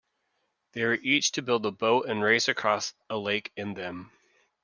They were each to build a boat and race across a lake in them.